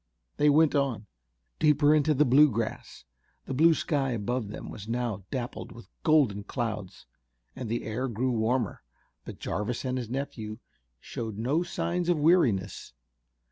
They went on, deeper into the Bluegrass. The blue sky above them was now dappled with golden clouds, and the air grew warmer, but Jarvis and his nephew showed no signs of weariness.